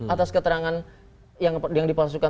atas keterangan yang dipalsukan